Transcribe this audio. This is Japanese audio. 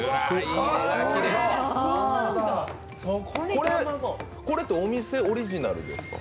これってお店オリジナルですか？